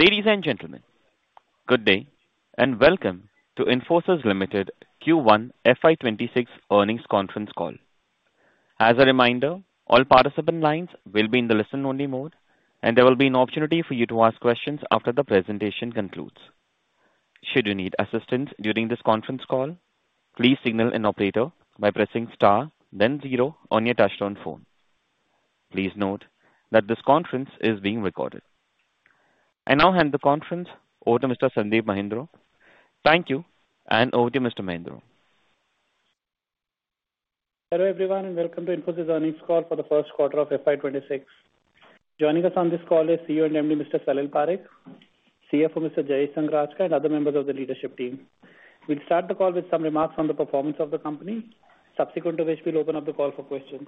Ladies and gentlemen, good day and welcome to Infosys Ltd Q1 FY26 Earnings Conference Call. As a reminder, all participant lines will be in the listen-only mode, and there will be an opportunity for you to ask questions after the presentation concludes. Should you need assistance during this conference call, please signal an operator by pressing star, then zero on your touch-tone phone. Please note that this conference is being recorded. I now hand the conference over to Mr. Sandeep Mahindroo. Thank you, and over to you, Mr. Mahindroo. Hello everyone, and welcome to Infosys Earnings Call for the First Quarter of FY26. Joining us on this call is CEO and MD, Mr. Salil Parekh, CFO, Mr. Jayesh Sanghrajka, and other members of the leadership team. We'll start the call with some remarks on the performance of the company, subsequent to which we'll open up the call for questions.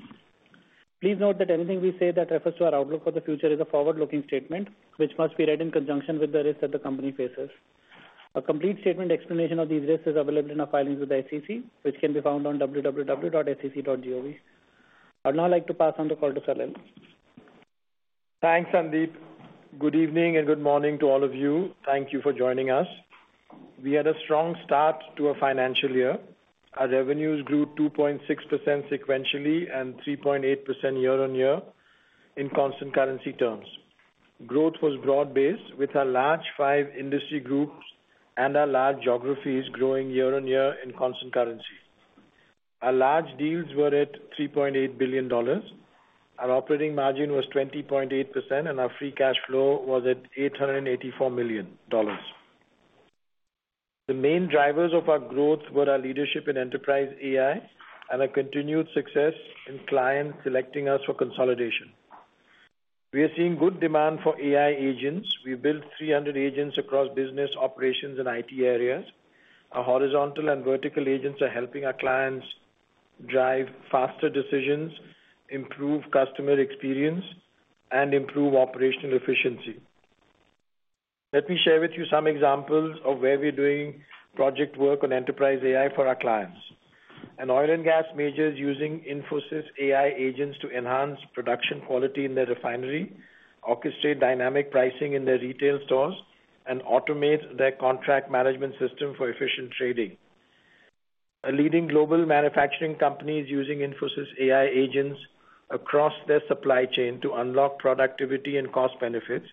Please note that anything we say that refers to our outlook for the future is a forward-looking statement, which must be read in conjunction with the risks that the company faces. A complete statement explanation of these risks is available in our filings with the SEC, which can be found on www.sec.gov. I'd now like to pass on the call to Salil. Thanks, Sandeep. Good evening and good morning to all of you. Thank you for joining us. We had a strong start to a financial year. Our revenues grew 2.6% sequentially and 3.8% year-on-year in constant currency terms. Growth was broad-based, with our large five industry groups and our large geographies growing year-on-year in constant currency. Our large deals were at $3.8 billion. Our operating margin was 20.8%, and our free cash flow was at $884 million. The main drivers of our growth were our leadership in enterprise AI and our continued success in clients selecting us for consolidation. We are seeing good demand for AI agents. We built 300 agents across business, operations, and IT areas. Our horizontal and vertical agents are helping our clients drive faster decisions, improve customer experience, and improve operational efficiency. Let me share with you some examples of where we're doing project work on enterprise AI for our clients. An oil and gas major is using Infosys AI agents to enhance production quality in their refinery, orchestrate dynamic pricing in their retail stores, and automate their contract management system for efficient trading. A leading global manufacturing company is using Infosys AI agents across their supply chain to unlock productivity and cost benefits,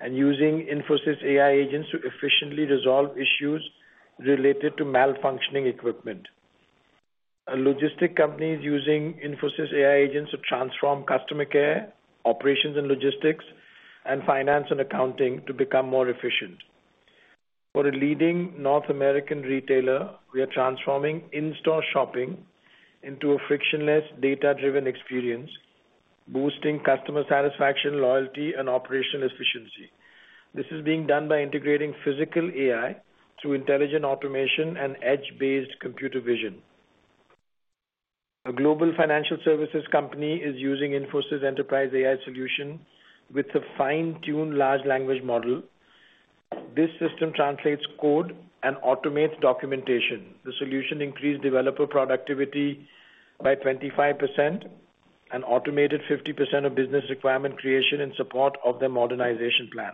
and using Infosys AI agents to efficiently resolve issues related to malfunctioning equipment. A logistics company is using Infosys AI agents to transform customer care, operations and logistics, and finance and accounting to become more efficient. For a leading North American retailer, we are transforming in-store shopping into a frictionless data-driven experience, boosting customer satisfaction, loyalty, and operational efficiency. This is being done by integrating physical AI through intelligent automation and Edge-based computer vision. A global financial services company is using Infosys Enterprise AI solution with a fine-tuned large language model. This system translates code and automates documentation. The solution increased developer productivity by 25% and automated 50% of business requirement creation in support of the modernization plan.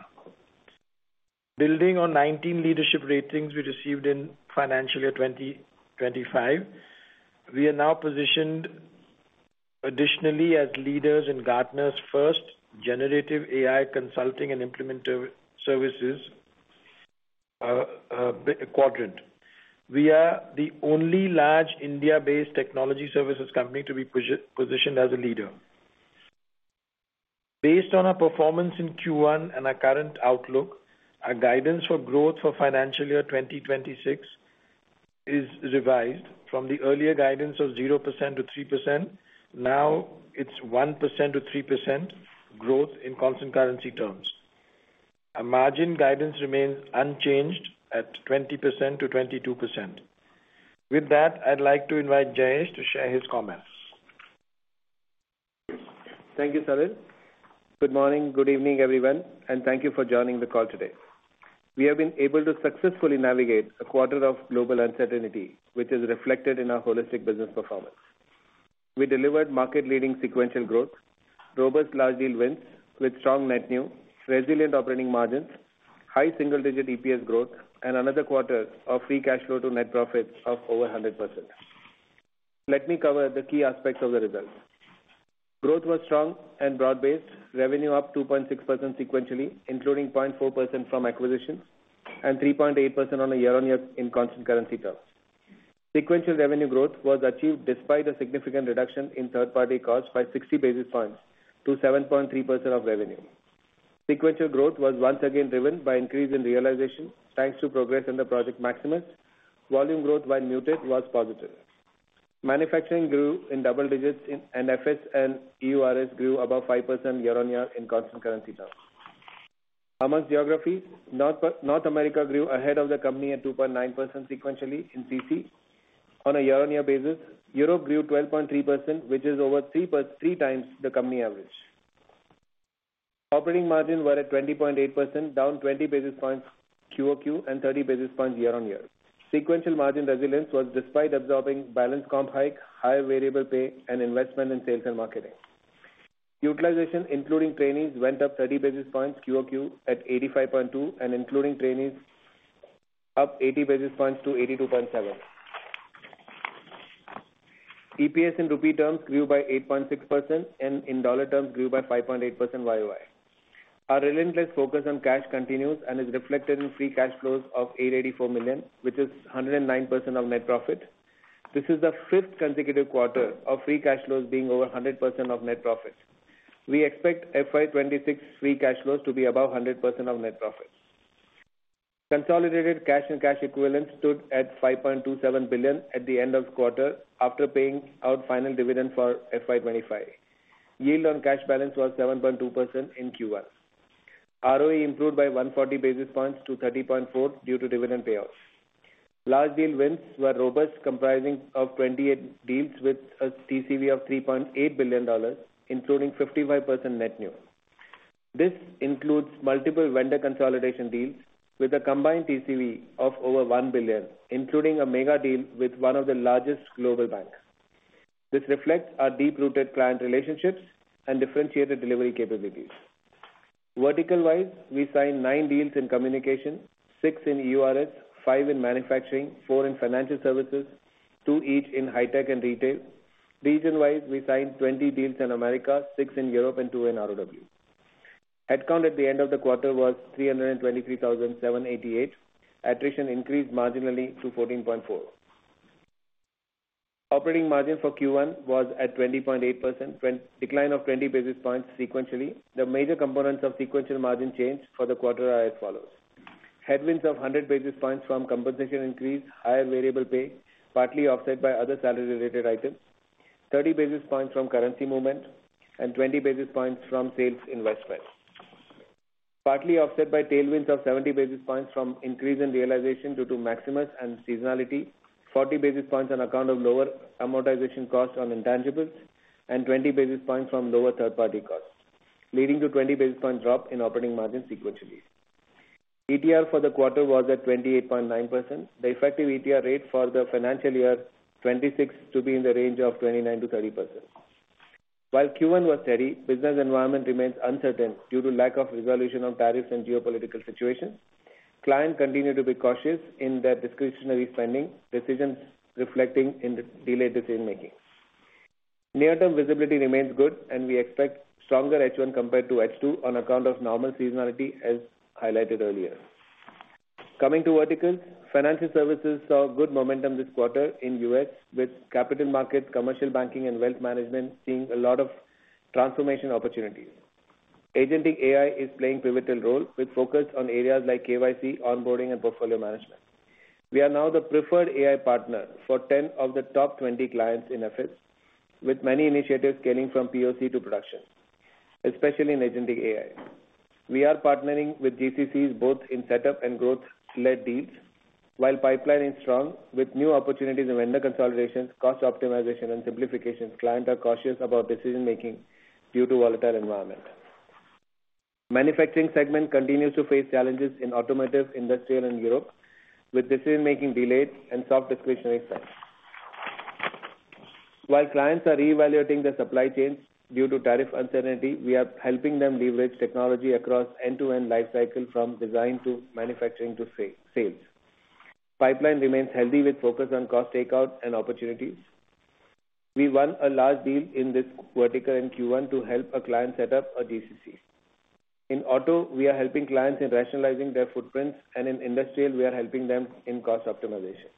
Building on 19 leadership ratings we received in financial year 2025, we are now positioned additionally as leaders in Gartner's 1st Generative AI Consulting and Implementation Services quadrant. We are the only large India-based technology services company to be positioned as a leader. Based on our performance in Q1 and our current outlook, our guidance for growth for financial year 2026 is revised from the earlier guidance of 0%-3%. Now it's 1%-3% growth in constant currency terms. Our margin guidance remains unchanged at 20%-22%. With that, I'd like to invite Jayesh to share his comments. Thank you, Salil. Good morning, good evening, everyone, and thank you for joining the call today. We have been able to successfully navigate a quarter of global uncertainty, which is reflected in our holistic business performance. We delivered market-leading sequential growth, robust large deal wins with strong net new, resilient operating margins, high single-digit EPS growth, and another quarter of free cash flow to net profits of over 100%. Let me cover the key aspects of the results. Growth was strong and broad-based, revenue up 2.6% sequentially, including 0.4% from acquisition and 3.8% on a year-on-year in constant currency terms. Sequential revenue growth was achieved despite a significant reduction in 3rd party costs by 60 basis points to 7.3% of revenue. Sequential growth was once again driven by increase in realization thanks to progress in the Project Maximus. Volume growth while muted was positive. Manufacturing grew in double digits, and FS and EURS grew above 5% year-on-year in constant currency terms. Amongst geographies, North America grew ahead of the company at 2.9% sequentially in constant currency on a year-on-year basis. Europe grew 12.3%, which is over three times the company average. Operating margin was at 20.8%, down 20 basis points QoQ and 30 basis points year-on-year. Sequential margin resilience was despite absorbing balance comp hike, higher variable pay, and investment in sales and marketing. Utilization, including trainees, went up 30 basis points QoQ at 85.2, and including trainees. Up 80 basis points to 82.7. EPS in rupee terms grew by 8.6%, and in dollar terms grew by 5.8% YoY. Our relentless focus on cash continues and is reflected in free cash flows of $884 million, which is 109% of net profit. This is the 5th consecutive quarter of free cash flows being over 100% of net profit. We expect FY 2026 free cash flows to be above 100% of net profit. Consolidated cash and cash equivalents stood at $5.27 billion at the end of the quarter after paying out final dividend for FY 2025. Yield on cash balance was 7.2% in Q1. Return on equity improved by 140 basis points to 30.4 due to dividend payouts. Large deal wins were robust, comprising 28 deals with a total contract value of $3.8 billion, including 55% net new. This includes multiple vendor consolidation deals with a combined total contract value of over $1 billion, including a mega deal with one of the largest global banks. This reflects our deep-rooted client relationships and differentiated delivery capabilities. Vertical-wise, we signed nine deals in communication, six in EURS, five in manufacturing, four in financial services, two each in high tech and retail. Region-wise, we signed 20 deals in America, six in Europe, and two in ROW. Headcount at the end of the quarter was 323,788. Attrition increased marginally to 14.4. Operating margin for Q1 was at 20.8%. Decline of 20 basis points sequentially. The major components of sequential margin change for the quarter are as follows. Headwinds of 100 basis points from compensation increase, higher variable pay, partly offset by other salary-related items, 30 basis points from currency movement, and 20 basis points from sales investment. Partly offset by tailwinds of 70 basis points from increase in realization due to Maximus and seasonality, 40 basis points on account of lower amortization cost on intangibles, and 20 basis points from lower 3rd party costs, leading to a 20 basis point drop in operating margin sequentially. ETR for the quarter was at 28.9%. The effective ETR rate for the financial year 2026 to be in the range of 29%-30%. While Q1 was steady, business environment remains uncertain due to lack of resolution of tariffs and geopolitical situation. Clients continue to be cautious in their discretionary spending decisions, reflecting in delayed decision-making. Near-term visibility remains good, and we expect stronger H1 compared to H2 on account of normal seasonality, as highlighted earlier. Coming to verticals, financial services saw good momentum this quarter in the U.S., with capital markets, commercial banking, and wealth management seeing a lot of transformation opportunities. Agentic AI is playing a pivotal role with focus on areas like KYC, onboarding, and portfolio management. We are now the preferred AI partner for 10 of the top 20 clients in FS, with many initiatives scaling from POC to production, especially in Agentic AI. We are partnering with GCCs both in setup and growth-led deals. While pipeline is strong, with new opportunities in vendor consolidation, cost optimization, and simplification, clients are cautious about decision-making due to the volatile environment. Manufacturing segment continues to face challenges in automotive, industrial, and Europe, with decision-making delayed and soft discretionary spikes. While clients are reevaluating their supply chains due to tariff uncertainty, we are helping them leverage technology across end-to-end life cycle, from design to manufacturing to sales. Pipeline remains healthy, with focus on cost takeout and opportunities. We won a large deal in this vertical in Q1 to help a client set up a GCC. In auto, we are helping clients in rationalizing their footprints, and in industrial, we are helping them in cost optimization.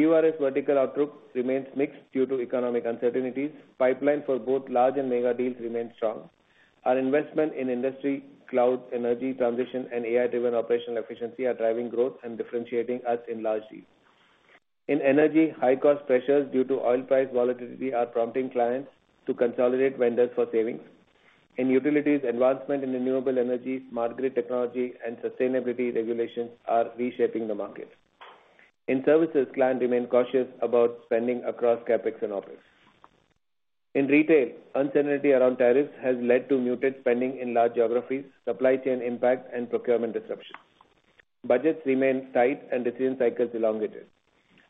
EURS vertical outlook remains mixed due to economic uncertainties. Pipeline for both large and mega deals remains strong. Our investment in industry, cloud, energy, transition, and AI-driven operational efficiency are driving growth and differentiating us in large deals. In energy, high-cost pressures due to oil price volatility are prompting clients to consolidate vendors for savings. In utilities, advancement in renewable energy, smart grid technology, and sustainability regulations are reshaping the market. In services, clients remain cautious about spending across CapEx and OpEx. In retail, uncertainty around tariffs has led to muted spending in large geographies, supply chain impact, and procurement disruption. Budgets remain tight, and decision cycles elongated.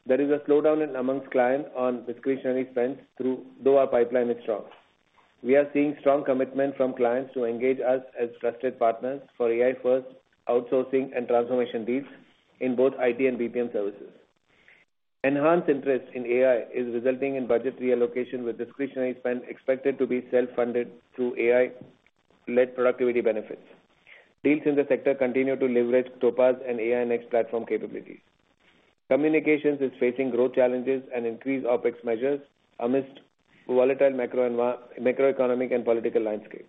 There is a slowdown amongst clients on discretionary spend, though our pipeline is strong. We are seeing strong commitment from clients to engage us as trusted partners for AI-first outsourcing and transformation deals in both IT and BPM services. Enhanced interest in AI is resulting in budget reallocation, with discretionary spend expected to be self-funded through AI-led productivity benefits. Deals in the sector continue to leverage Topaz and AINX platform capabilities. Communications is facing growth challenges and increased OpEx measures amidst volatile macroeconomic and political landscape.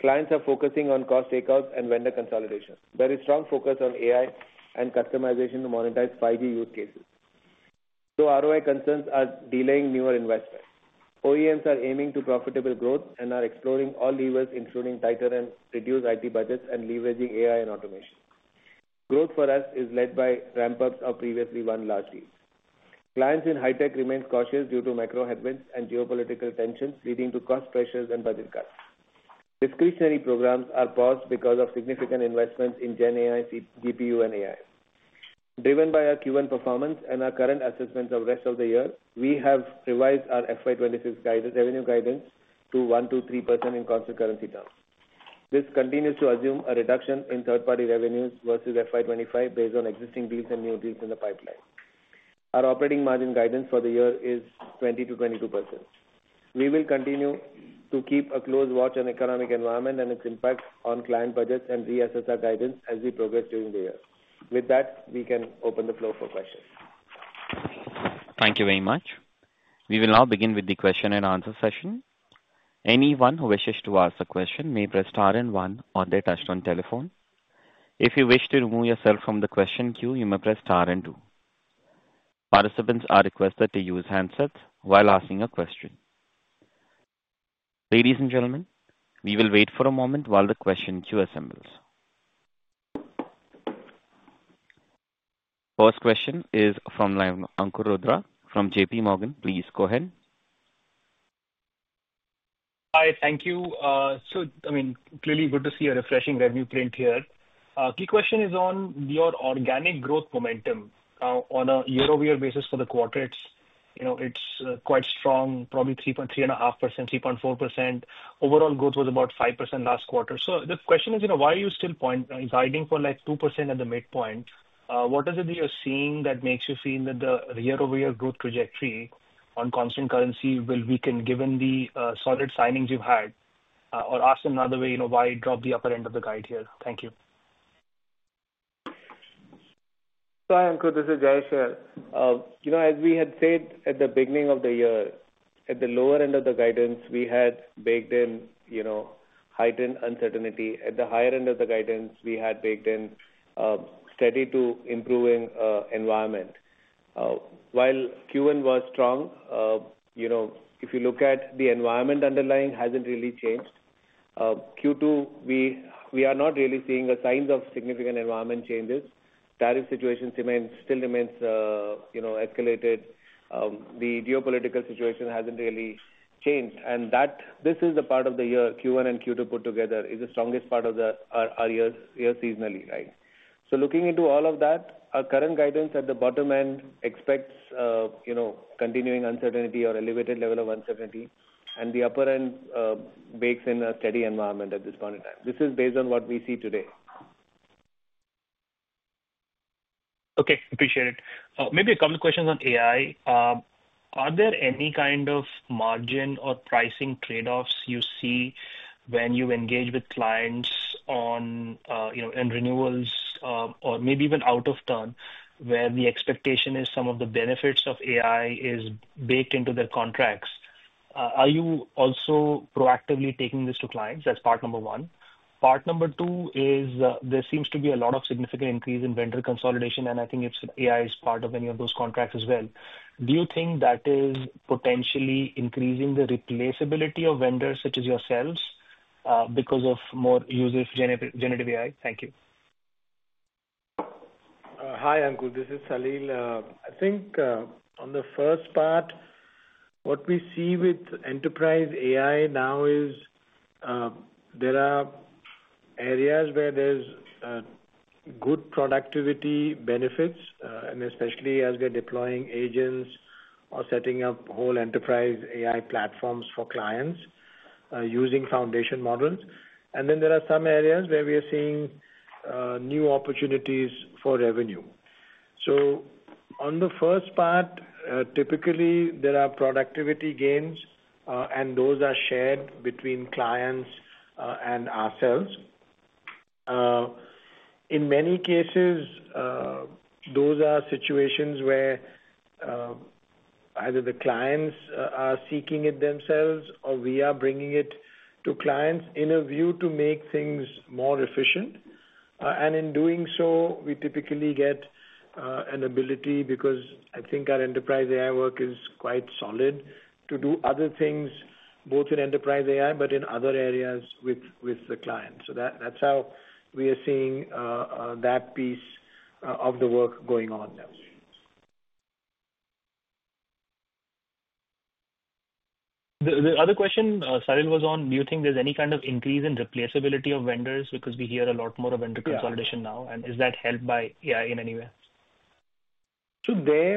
Clients are focusing on cost takeout and vendor consolidation. There is strong focus on AI and customization to monetize 5G use cases. Though ROI concerns are delaying newer investments, OEMs are aiming for profitable growth and are exploring all levers, including tighter and reduced IT budgets and leveraging AI and automation. Growth for us is led by ramp-ups of previously won large deals. Clients in high tech remain cautious due to macro headwinds and geopolitical tensions, leading to cost pressures and budget cuts. Discretionary programs are paused because of significant investments in GenAI, GPU, and AI. Driven by our Q1 performance and our current assessments of the rest of the year, we have revised our FY 2026 revenue guidance to 1%-3% in constant currency terms. This continues to assume a reduction in 3rd party revenues versus FY 2025 based on existing deals and new deals in the pipeline. Our operating margin guidance for the year is 20%-22%. We will continue to keep a close watch on the economic environment and its impact on client budgets and reassess our guidance as we progress during the year. With that, we can open the floor for questions. Thank you very much. We will now begin with the question and answer session. Anyone who wishes to ask a question may press star and one on their touch-on telephone. If you wish to remove yourself from the question queue, you may press star and two. Participants are requested to use handsets while asking a question. Ladies and gentlemen, we will wait for a moment while the question queue assembles. 1st question is from Ankur Rudra from J.P. Morgan. Please go ahead. Hi, thank you. I mean, clearly good to see a refreshing revenue print here. The question is on your organic growth momentum. On a year-over-year basis for the quarters, it's quite strong, probably 3.5%, 3.4%. Overall growth was about 5% last quarter. The question is, why are you still pointing, is guiding for like 2% at the midpoint? What is it that you're seeing that makes you feel that the year-over-year growth trajectory on constant currency will weaken given the solid signings you've had? Or asked another way, why drop the upper end of the guide here? Thank you. Hi, Ankur. This is Jayesh here. As we had said at the beginning of the year, at the lower end of the guidance, we had baked in heightened uncertainty. At the higher end of the guidance, we had baked in steady to improving environment. While Q1 was strong, if you look at the environment underlying, it hasn't really changed. Q2, we are not really seeing the signs of significant environment changes. Tariff situation still remains escalated. The geopolitical situation hasn't really changed. This is the part of the year Q1 and Q2 put together is the strongest part of our year seasonally, right? Looking into all of that, our current guidance at the bottom end expects continuing uncertainty or elevated level of uncertainty. The upper end bakes in a steady environment at this point in time. This is based on what we see today. Okay, appreciate it. Maybe a couple of questions on AI. Are there any kind of margin or pricing trade-offs you see when you engage with clients on renewals or maybe even out of turn where the expectation is some of the benefits of AI is baked into their contracts? Are you also proactively taking this to clients? That's part number one. Part number two is there seems to be a lot of significant increase in vendor consolidation, and I think AI is part of any of those contracts as well. Do you think that is potentially increasing the replaceability of vendors such as yourselves because of more user-generative AI? Thank you. Hi, Ankur. This is Salil. I think on the 1st part. What we see with enterprise AI now is. There are areas where there's good productivity benefits, and especially as we're deploying agents or setting up whole enterprise AI platforms for clients using foundation models. There are some areas where we are seeing new opportunities for revenue. On the first part, typically there are productivity gains, and those are shared between clients and ourselves. In many cases, those are situations where either the clients are seeking it themselves or we are bringing it to clients in a view to make things more efficient. In doing so, we typically get an ability because I think our enterprise AI work is quite solid to do other things, both in enterprise AI but in other areas with the clients. That is how we are seeing that piece of the work going on now. The other question, Salil, was on do you think there's any kind of increase in replaceability of vendors because we hear a lot more of vendor consolidation now? Is that helped by AI in any way?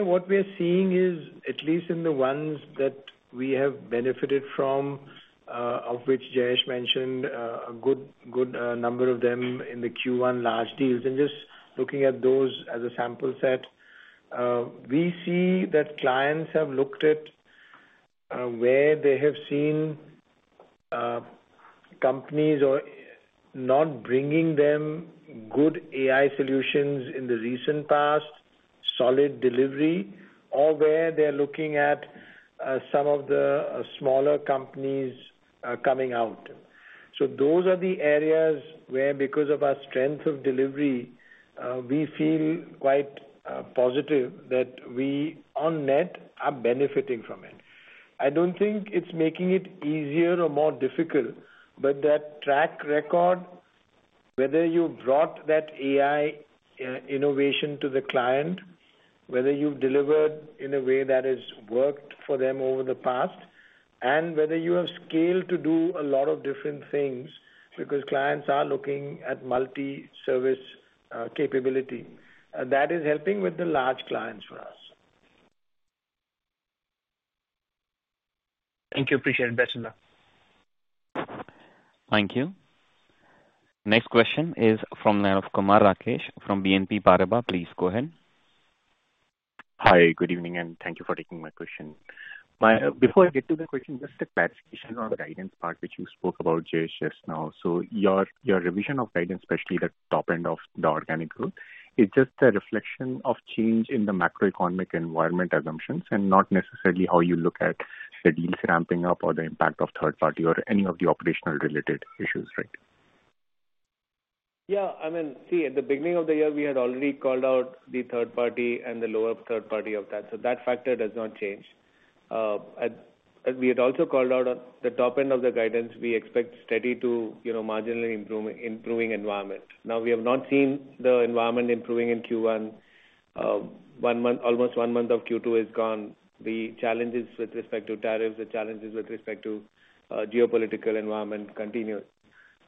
What we're seeing is, at least in the ones that we have benefited from, of which Jayesh mentioned a good number of them in the Q1 large deals, and just looking at those as a sample set, we see that clients have looked at where they have seen companies not bringing them good AI solutions in the recent past, solid delivery, or where they're looking at some of the smaller companies coming out. Those are the areas where, because of our strength of delivery, we feel quite positive that we on net are benefiting from it. I do not think it's making it easier or more difficult, but that track record, whether you brought that AI innovation to the client, whether you've delivered in a way that has worked for them over the past, and whether you have scaled to do a lot of different things because clients are looking at multi-service capability, that is helping with the large clients for us. Thank you, appreciate it. Best of luck. Thank you. Next question is from Kumar Rakesh from BNP Paribas. Please go ahead. Hi, good evening, and thank you for taking my question. Before I get to the question, just a clarification on the guidance part, which you spoke about, Jayesh, just now. Your revision of guidance, especially the top end of the organic growth, is just a reflection of change in the macroeconomic environment assumptions and not necessarily how you look at the deals ramping up or the impact of third-party or any of the operational-related issues, right? Yeah, I mean, see, at the beginning of the year, we had already called out the 3rd party and the lower 3rd party of that. That factor does not change. We had also called out on the top end of the guidance, we expect steady to marginally improving environment. Now, we have not seen the environment improving in Q1. Almost one month of Q2 is gone. The challenges with respect to tariffs, the challenges with respect to geopolitical environment continue.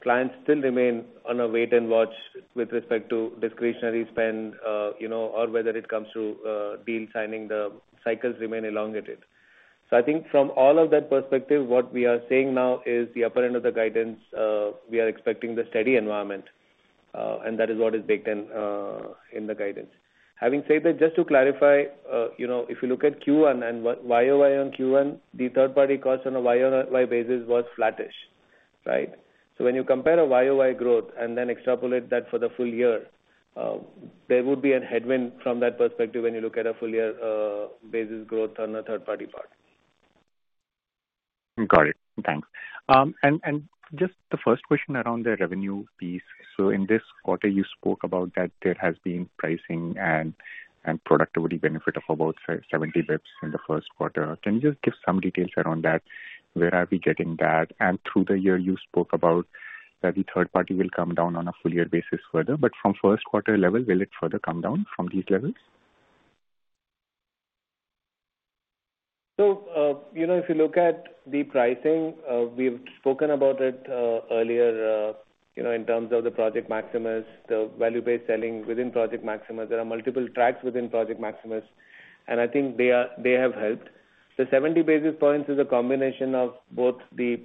Clients still remain on a wait-and-watch with respect to discretionary spend. Whether it comes through deal signing, the cycles remain elongated. I think from all of that perspective, what we are saying now is the upper end of the guidance, we are expecting the steady environment. That is what is baked in the guidance. Having said that, just to clarify, if you look at Q1 and YoY on Q1, the third-party cost on a year-on-year basis was flattish, right? When you compare a year-on-year growth and then extrapolate that for the full year, there would be a headwind from that perspective when you look at a full-year basis growth on the 3rd party part. Got it. Thanks. Just the 1st question around the revenue piece. In this quarter, you spoke about that there has been pricing and productivity benefit of about 70 basis points in the 1st quarter. Can you just give some details around that? Where are we getting that? Through the year, you spoke about that the 3rd party will come down on a full-year basis further. From 1st quarter level, will it further come down from these levels? If you look at the pricing, we've spoken about it earlier. In terms of Project Maximus, the value-based selling within Project Maximus, there are multiple tracks within Project Maximus. I think they have helped. The 70 basis points is a combination of both the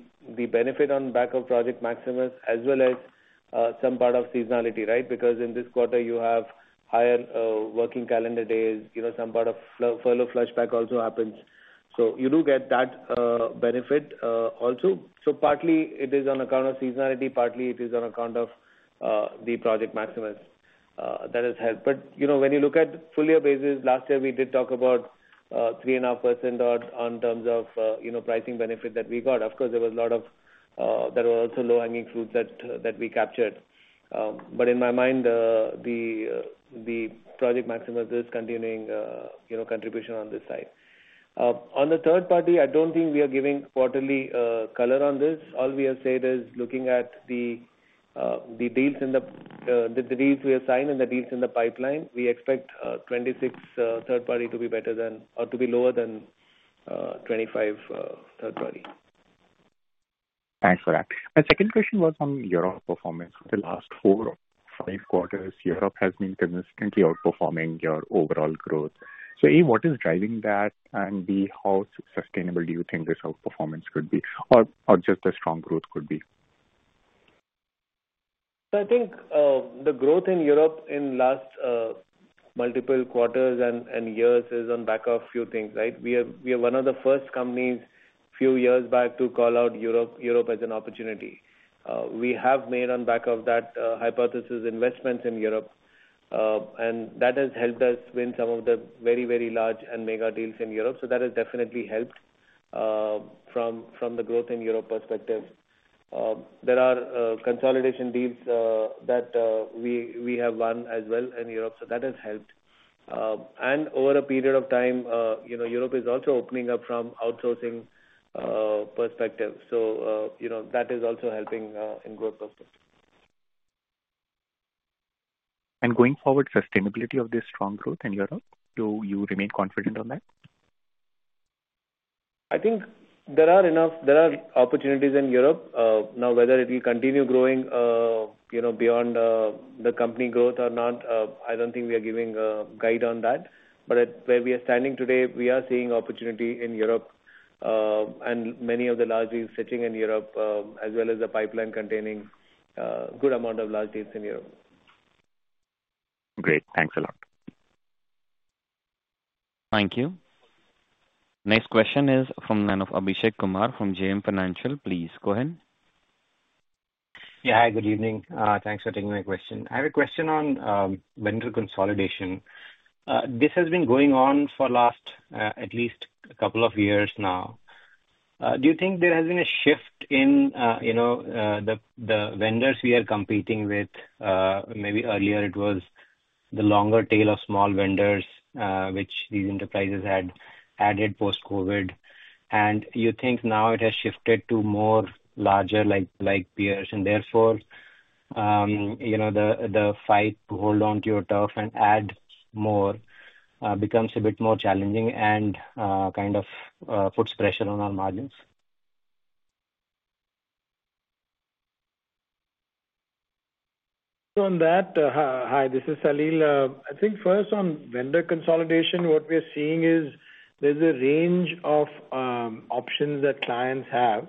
benefit on back of Project Maximus as well as some part of seasonality, right? Because in this quarter, you have higher working calendar days. Some part of furlough/flushback also happens. You do get that benefit also. Partly it is on account of seasonality. Partly it is on account of Project Maximus. That has helped. When you look at full-year basis, last year we did talk about 3.5% in terms of pricing benefit that we got. Of course, there was a lot of, there were also low-hanging fruits that we captured. In my mind, Project Maximus is continuing contribution on this side. On the 3rd party, I don't think we are giving quarterly color on this. All we have said is looking at the deals we have signed and the deals in the pipeline, we expect 2026 3rd party to be better than or to be lower than 2025 3rd party. Thanks for that. My 2nd question was on your performance. For the last four or five quarters, Europe has been consistently outperforming your overall growth. A, what is driving that? B, how sustainable do you think this outperformance could be? Or just the strong growth could be? I think the growth in Europe in last multiple quarters and years is on back of a few things, right? We are one of the 1st companies a few years back to call out Europe as an opportunity. We have made on back of that hypothesis investments in Europe, and that has helped us win some of the very, very large and mega deals in Europe. That has definitely helped from the growth in Europe perspective. There are consolidation deals that we have won as well in Europe, so that has helped. Over a period of time, Europe is also opening up from outsourcing perspective, so that is also helping in growth perspective. Going forward, sustainability of this strong growth in Europe. Do you remain confident on that? I think there are enough opportunities in Europe. Now, whether it will continue growing beyond the company growth or not, I do not think we are giving a guide on that. Where we are standing today, we are seeing opportunity in Europe. Many of the large deals sitting in Europe, as well as the pipeline containing a good amount of large deals in Europe. Great. Thanks a lot. Thank you. Next question is from Abhishek Kumar from JM Financial. Please go ahead. Yeah, hi, good evening. Thanks for taking my question. I have a question on vendor consolidation. This has been going on for at least a couple of years now. Do you think there has been a shift in the vendors we are competing with? Maybe earlier it was the longer tail of small vendors, which these enterprises had added post-COVID. You think now it has shifted to more larger like peers. Therefore, the fight to hold on to your turf and add more becomes a bit more challenging and kind of puts pressure on our margins. Hi, this is Salil. I think first on vendor consolidation, what we are seeing is there's a range of options that clients have.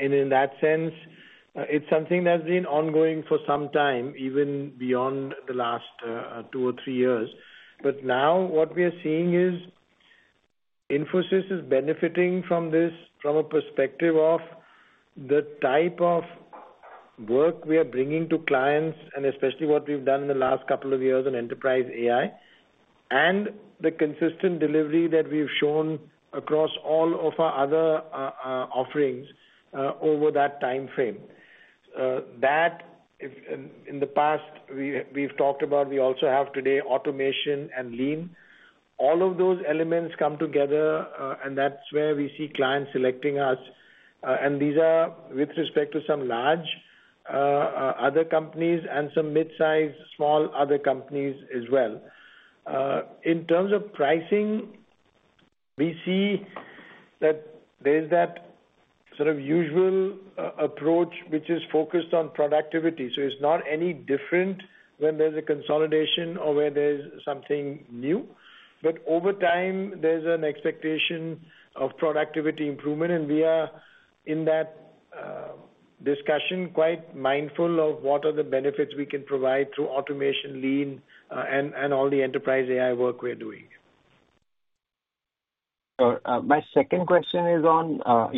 In that sense, it's something that's been ongoing for some time, even beyond the last two or three years. Now what we are seeing is Infosys is benefiting from this from a perspective of the type of work we are bringing to clients, and especially what we've done in the last couple of years on enterprise AI. The consistent delivery that we've shown across all of our other offerings over that time frame, that in the past we've talked about, we also have today automation and lean. All of those elements come together, and that's where we see clients selecting us. These are with respect to some large other companies and some mid-size small other companies as well. In terms of pricing, we see that there is that sort of usual approach, which is focused on productivity. It's not any different when there's a consolidation or where there's something new. Over time, there's an expectation of productivity improvement. We are in that discussion quite mindful of what are the benefits we can provide through automation, lean, and all the enterprise AI work we're doing. My 2nd question is on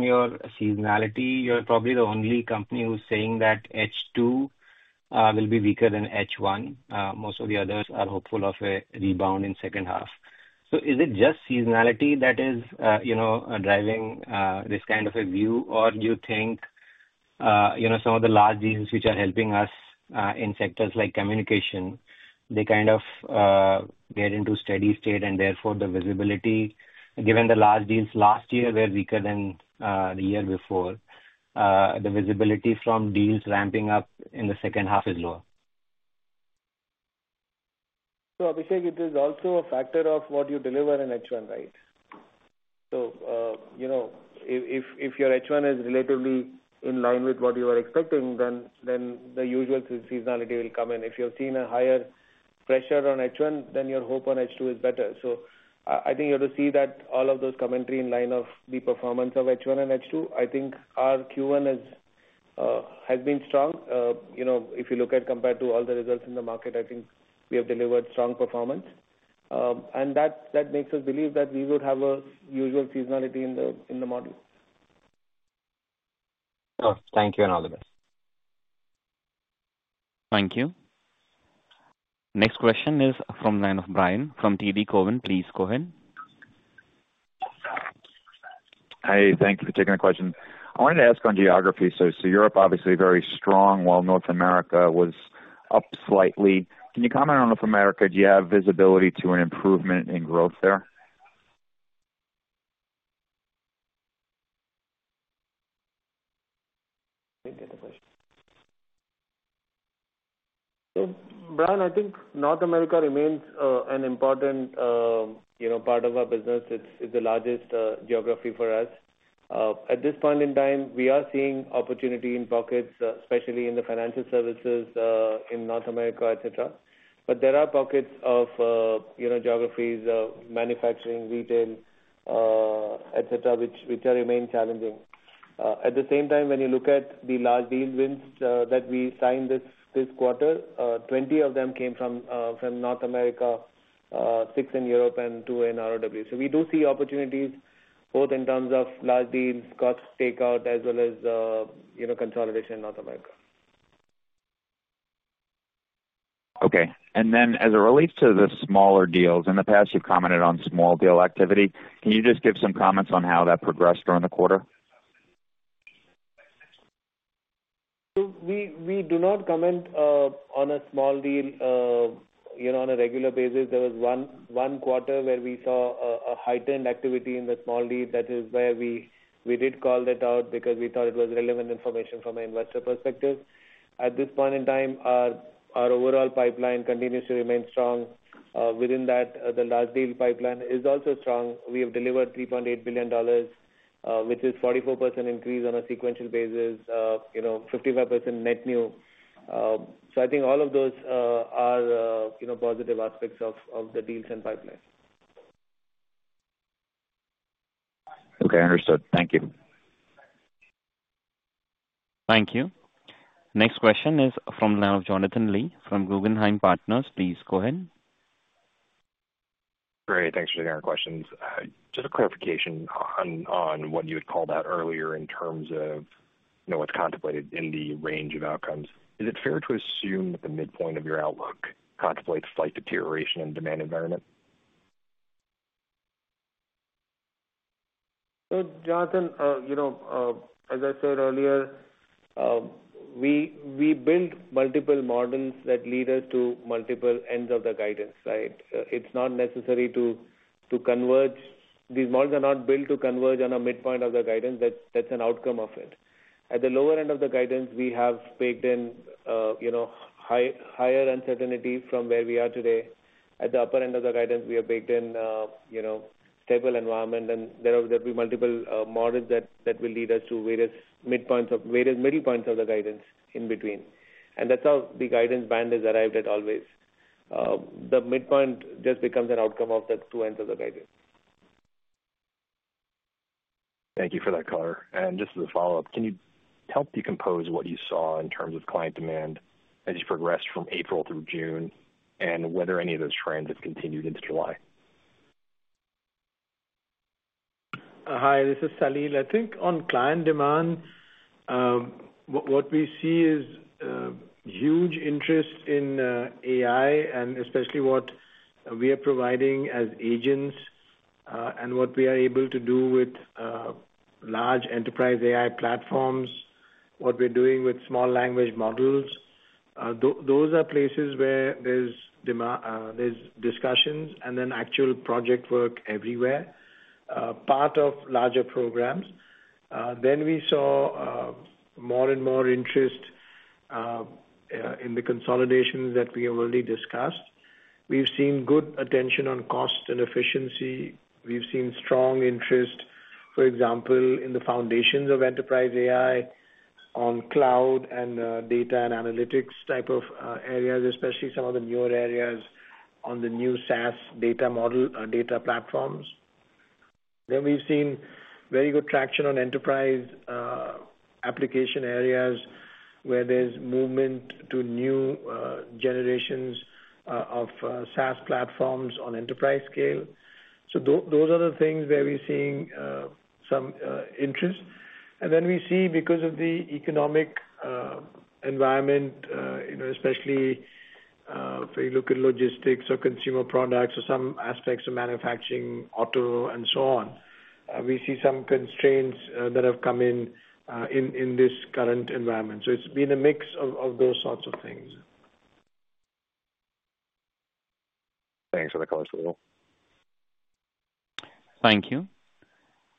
your seasonality. You're probably the only company who's saying that H2 will be weaker than H1. Most of the others are hopeful of a rebound in 2nd half. Is it just seasonality that is driving this kind of a view, or do you think some of the large deals which are helping us in sectors like communication, they kind of get into steady state, and therefore the visibility, given the large deals last year were weaker than the year before, the visibility from deals ramping up in the 2nd half is lower? I think it is also a factor of what you deliver in H1, right? If your H1 is relatively in line with what you are expecting, then the usual seasonality will come in. If you've seen a higher pressure on H1, then your hope on H2 is better. I think you have to see that all of those commentary in line of the performance of H1 and H2. I think our Q1 has been strong. If you look at compared to all the results in the market, I think we have delivered strong performance. That makes us believe that we would have a usual seasonality in the model. Thank you, Nandan. Thank you. Next question is from Nandan Bryan. From TD Cowen, please go ahead. Hi, thank you for taking the question. I wanted to ask on geography. Europe, obviously, very strong, while North America was up slightly. Can you comment on North America? Do you have visibility to an improvement in growth there? Bryan, I think North America remains an important part of our business. It's the largest geography for us. At this point in time, we are seeing opportunity in pockets, especially in the financial services in North America, et cetera. There are pockets of geographies, manufacturing, retail, et cetera., which remain challenging. At the same time, when you look at the large deal wins that we signed this quarter, 20 of them came from North America, six in Europe, and two in ROW. We do see opportunities both in terms of large deals, cost takeout, as well as consolidation in North America. Okay. As it relates to the smaller deals, in the past, you've commented on small deal activity. Can you just give some comments on how that progressed during the quarter? We do not comment on a small deal on a regular basis. There was one quarter where we saw a heightened activity in the small deal. That is where we did call it out because we thought it was relevant information from an investor perspective. At this point in time, our overall pipeline continues to remain strong. Within that, the large deal pipeline is also strong. We have delivered $3.8 billion, which is a 44% increase on a sequential basis, 55% net new. I think all of those are positive aspects of the deals and pipeline. Okay, understood. Thank you. Thank you. Next question is from Jonathan Lee from Guggenheim Partners. Please go ahead. Great. Thanks for taking our questions. Just a clarification on what you had called out earlier in terms of what's contemplated in the range of outcomes. Is it fair to assume that the midpoint of your outlook contemplates slight deterioration in demand environment? Jonathan, as I said earlier, we build multiple models that lead us to multiple ends of the guidance, right? It's not necessary to converge. These models are not built to converge on a midpoint of the guidance. That's an outcome of it. At the lower end of the guidance, we have baked in higher uncertainty from where we are today. At the upper end of the guidance, we have baked in stable environment. There will be multiple models that will lead us to various midpoint of the guidance in between. That's how the guidance band has arrived at always. The midpoint just becomes an outcome of the two ends of the guidance. Thank you for that color. Just as a follow-up, can you help decompose what you saw in terms of client demand as you progressed from April through June and whether any of those trends have continued into July? Hi, this is Salil. I think on client demand. What we see is huge interest in AI and especially what we are providing as agents. And what we are able to do with large enterprise AI platforms, what we're doing with small language models. Those are places where there's discussions and then actual project work everywhere, part of larger programs. We saw more and more interest in the consolidations that we have already discussed. We've seen good attention on cost and efficiency. We've seen strong interest, for example, in the foundations of enterprise AI on cloud and data and analytics type of areas, especially some of the newer areas on the new SaaS data model or data platforms. We've seen very good traction on enterprise application areas where there's movement to new generations of SaaS platforms on enterprise scale. Those are the things where we're seeing some interest. We see because of the economic environment, especially if we look at logistics or consumer products or some aspects of manufacturing, auto, and so on, we see some constraints that have come in in this current environment. It's been a mix of those sorts of things. Thanks for the color, Salil. Thank you.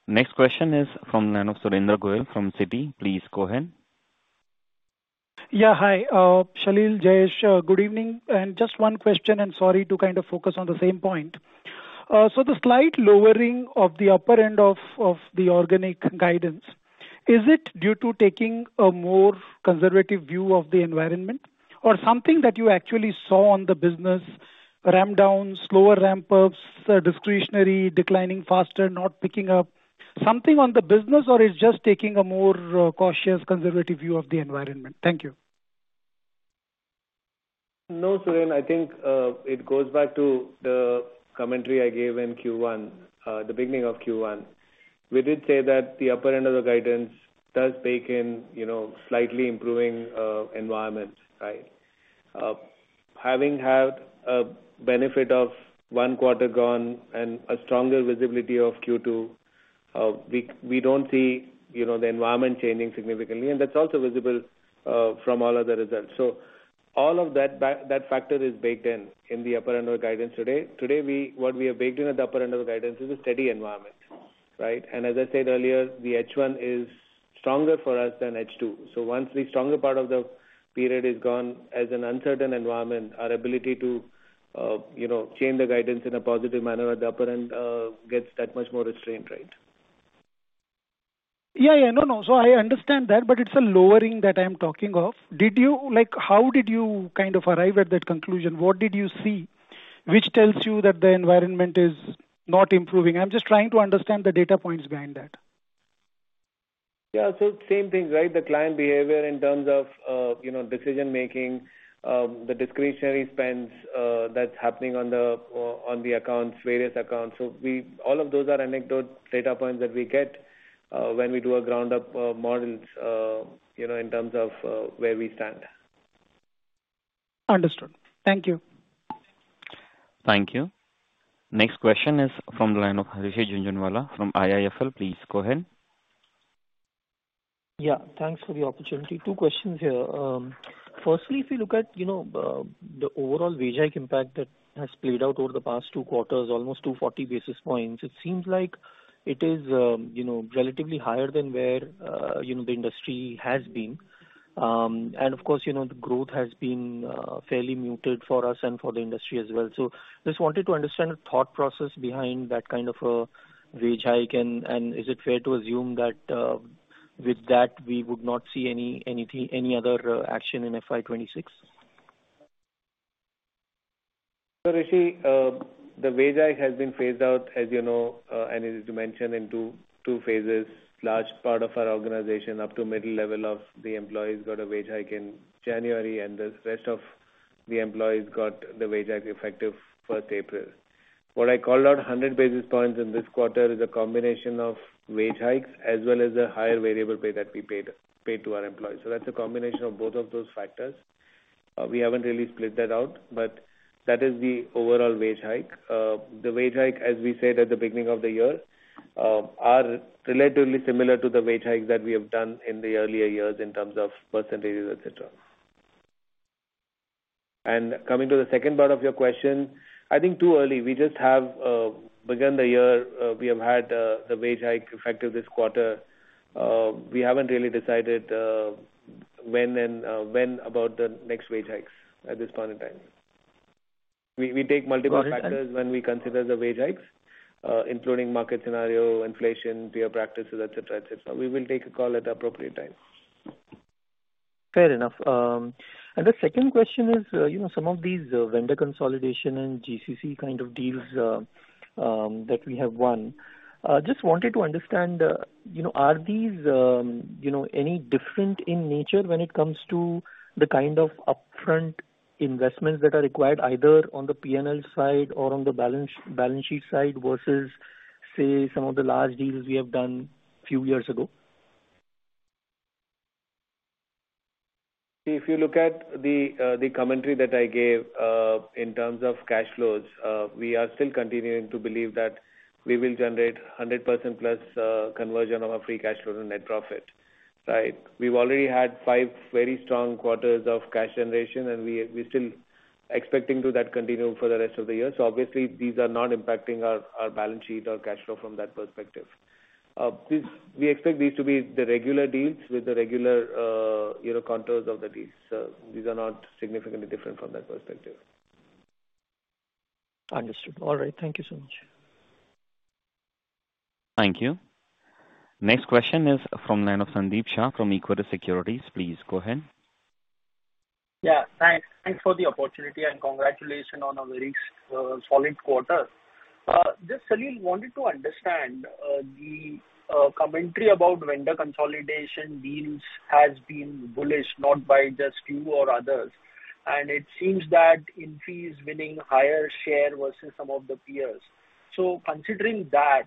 Next question is from Surendra Goyal from Citi. Please go ahead. Yeah, hi. Salil, Jayesh, good evening. Just one question, and sorry to kind of focus on the same point. The slight lowering of the upper end of the organic guidance, is it due to taking a more conservative view of the environment or something that you actually saw on the business? Ramp down, slower ramp up, discretionary, declining faster, not picking up? Something on the business, or it's just taking a more cautious, conservative view of the environment? Thank you. No, Suren, I think it goes back to the commentary I gave in Q1, the beginning of Q1. We did say that the upper end of the guidance does take in slightly improving environments, right? Having had a benefit of one quarter gone and a stronger visibility of Q2. We do not see the environment changing significantly. That is also visible from all other results. All of that factor is baked in in the upper end of the guidance today. Today, what we have baked in at the upper end of the guidance is a steady environment, right? As I said earlier, the H1 is stronger for us than H2. Once the stronger part of the period is gone, as an uncertain environment, our ability to change the guidance in a positive manner at the upper end gets that much more restrained, right? Yeah, yeah. No, no. I understand that, but it's a lowering that I'm talking of. How did you kind of arrive at that conclusion? What did you see which tells you that the environment is not improving? I'm just trying to understand the data points behind that. Yeah, so same thing, right? The client behavior in terms of decision-making, the discretionary spends that's happening on the accounts, various accounts. All of those are anecdotal data points that we get when we do a ground-up model in terms of where we stand. Understood. Thank you. Thank you. Next question is from Rishi Jhunjhunwala, from IIFL. Please go ahead. Yeah, thanks for the opportunity. Two questions here. Firstly, if you look at the overall wage hike impact that has played out over the past two quarters, almost 240 basis points, it seems like it is relatively higher than where the industry has been. Of course, the growth has been fairly muted for us and for the industry as well. Just wanted to understand the thought process behind that kind of a wage hike, and is it fair to assume that with that, we would not see any other action in FY 2026? Rishi, the wage hike has been phased out, as you know, and as you mentioned, in two phases. Large part of our organization, up to middle level of the employees, got a wage hike in January, and the rest of the employees got the wage hike effective 1st April. What I called out, 100 basis points in this quarter is a combination of wage hikes as well as a higher variable pay that we paid to our employees. That is a combination of both of those factors. We have not really split that out, but that is the overall wage hike. The wage hike, as we said at the beginning of the year, are relatively similar to the wage hikes that we have done in the earlier years in terms of percentages, etc. Coming to the 2nd part of your question, I think too early. We just have begun the year. We have had the wage hike effective this quarter. We have not really decided when and when about the next wage hikes at this point in time. We take multiple factors when we consider the wage hikes, including market scenario, inflation, peer practices, et cetera., et cetera. We will take a call at the appropriate time. Fair enough. The 2nd question is some of these vendor consolidation and GCC kind of deals that we have won. Just wanted to understand, are these any different in nature when it comes to the kind of upfront investments that are required, either on the P&L side or on the balance sheet side versus, say, some of the large deals we have done a few years ago? If you look at the commentary that I gave in terms of cash flows, we are still continuing to believe that we will generate 100%+ conversion of our free cash flow to net profit, right? We've already had five very strong quarters of cash generation, and we're still expecting that to continue for the rest of the year. Obviously, these are not impacting our balance sheet or cash flow from that perspective. We expect these to be the regular deals with the regular contours of the deals. These are not significantly different from that perspective. Understood. All right. Thank you so much. Thank you. Next question is from Sandeep Shah from Equirus Securities. Please go ahead. Yeah, thanks for the opportunity and congratulations on a very solid quarter. Just, Salil, wanted to understand. The commentary about vendor consolidation deals has been bullish, not by just you or others. It seems that Infosys is winning a higher share versus some of the peers. Considering that,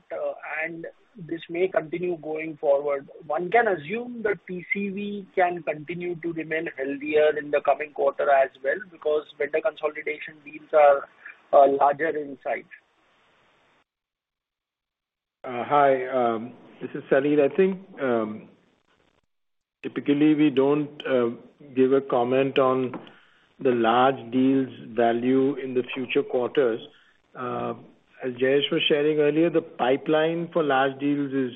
and this may continue going forward, one can assume that TCV can continue to remain healthier in the coming quarter as well because vendor consolidation deals are larger in size. Hi, this is Salil. I think typically, we do not give a comment on the large deals' value in the future quarters. As Jayesh was sharing earlier, the pipeline for large deals is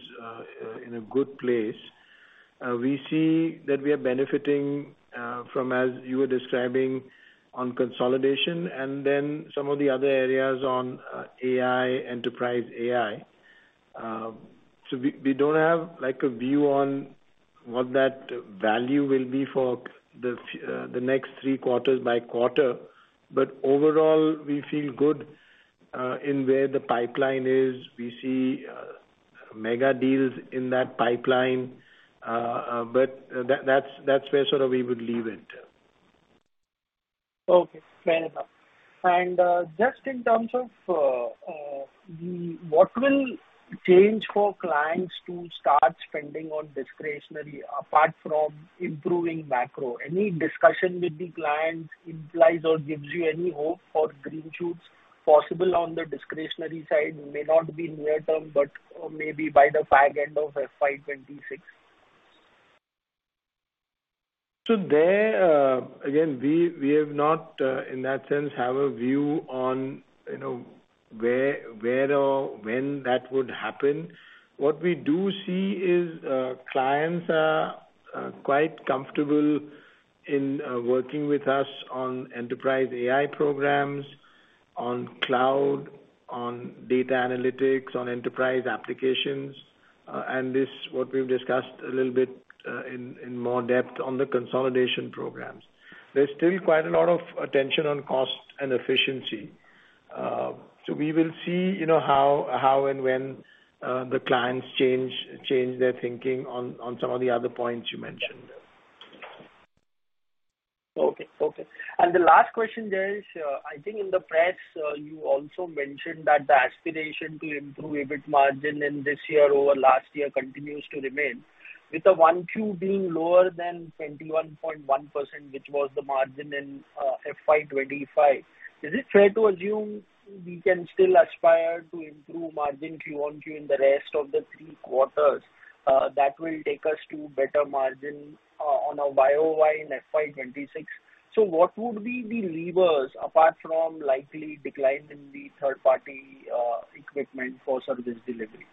in a good place. We see that we are benefiting from, as you were describing, on consolidation and then some of the other areas on enterprise AI. We do not have a view on what that value will be for the next three quarters by quarter. Overall, we feel good in where the pipeline is. We see mega deals in that pipeline. That is where we would leave it. Okay, fair enough. Just in terms of what will change for clients to start spending on discretionary, apart from improving macro? Any discussion with the client implies or gives you any hope for green shoots possible on the discretionary side? It may not be near term, but maybe by the fag end of FY 2026. There, again, we have not, in that sense, have a view on where or when that would happen. What we do see is clients are quite comfortable in working with us on enterprise AI programs, on cloud, on data analytics, on enterprise applications. This, what we've discussed a little bit, in more depth on the consolidation programs. There is still quite a lot of attention on cost and efficiency. We will see how and when the clients change their thinking on some of the other points you mentioned. Okay, okay. The last question, Jayesh, I think in the press, you also mentioned that the aspiration to improve EBIT margin in this year over last year continues to remain. With the Q1 being lower than 21.1%, which was the margin in FY 2025, is it fair to assume we can still aspire to improve margin Q1Q in the rest of the three quarters? That will take us to better margin on a YoY in FY 2026. What would be the levers, apart from likely decline in the 3rd party equipment for service delivery?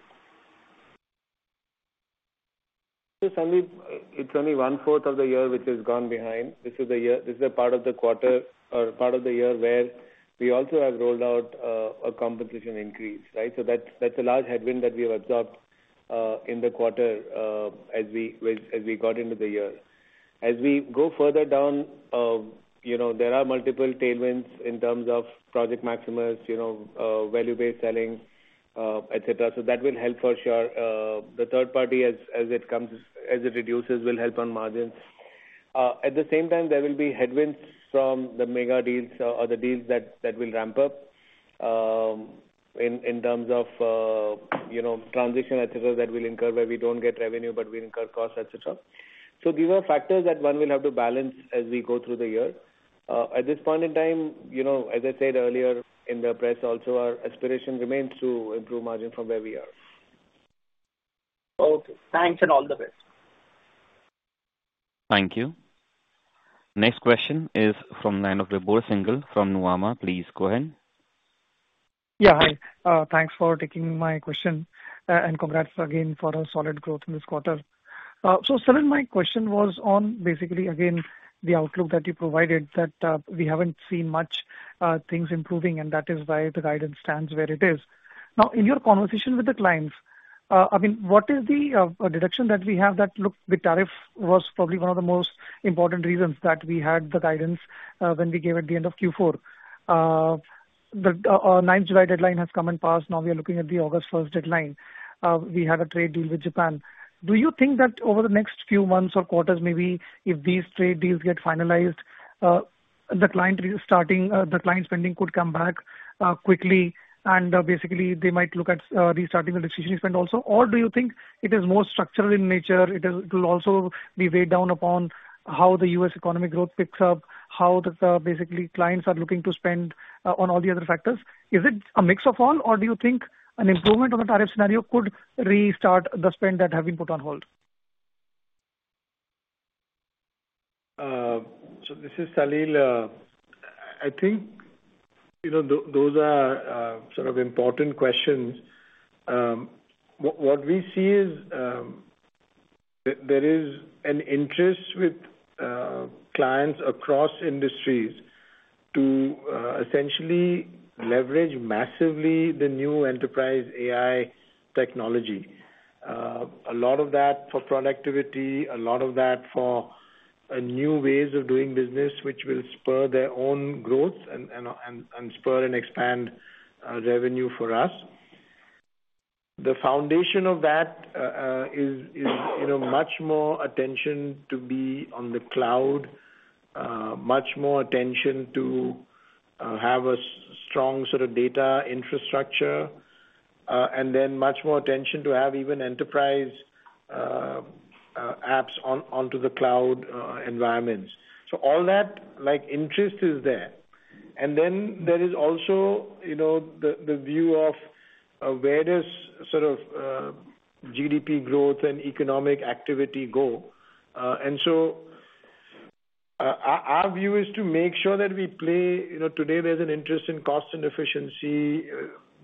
Salil, it's only 1/4 of the year which has gone behind. This is the part of the quarter or part of the year where we also have rolled out a compensation increase, right? That's a large headwind that we have absorbed in the quarter as we got into the year. As we go further down, there are multiple tailwinds in terms of Project Maximus, value-based selling, et cetera. That will help for sure. The 3rd party, as it reduces, will help on margins. At the same time, there will be headwinds from the mega deals or the deals that will ramp up. In terms of transition, et cetera., that will incur where we do not get revenue, but we incur costs, et cetera. These are factors that one will have to balance as we go through the year. At this point in time, as I said earlier in the press, also our aspiration remains to improve margin from where we are. Okay. Thanks and all the best. Thank you. Next question is from Vibhor Singhal from Nuvama. Please go ahead. Yeah, hi. Thanks for taking my question. Congrats again for a solid growth in this quarter. Salil, my question was on basically, again, the outlook that you provided, that we have not seen much things improving, and that is why the guidance stands where it is. Now, in your conversation with the clients, I mean, what is the deduction that we have that, look, the tariff was probably one of the most important reasons that we had the guidance when we gave it at the end of Q4? The 9th July deadline has come and passed. Now we are looking at the August 1st deadline. We had a trade deal with Japan. Do you think that over the next few months or quarters, maybe if these trade deals get finalized, the client spending could come back quickly and basically they might look at restarting the discretionary spend also? Do you think it is more structural in nature? It will also be weighed down upon how the U.S. economic growth picks up, how basically clients are looking to spend on all the other factors. Is it a mix of all, or do you think an improvement of the tariff scenario could restart the spend that has been put on hold? This is Salil. I think those are sort of important questions. What we see is there is an interest with clients across industries to essentially leverage massively the new enterprise AI technology. A lot of that for productivity, a lot of that for new ways of doing business, which will spur their own growth and spur and expand revenue for us. The foundation of that is much more attention to be on the cloud, much more attention to have a strong sort of data infrastructure, and then much more attention to have even enterprise apps onto the cloud environments. All that interest is there. There is also the view of where does sort of GDP growth and economic activity go. Our view is to make sure that we play today, there's an interest in cost and efficiency.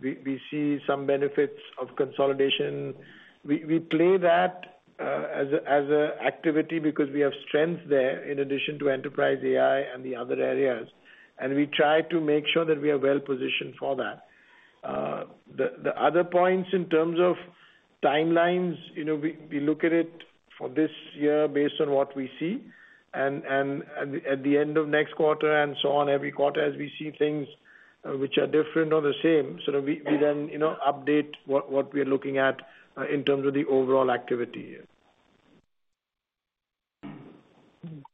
We see some benefits of consolidation. We play that as an activity because we have strength there in addition to enterprise AI and the other areas. We try to make sure that we are well positioned for that. The other points in terms of timelines, we look at it for this year based on what we see. At the end of next quarter and so on, every quarter, as we see things which are different or the same, sort of we then update what we are looking at in terms of the overall activity.